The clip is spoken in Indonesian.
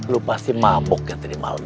lo pasti mabuk ya tadi malem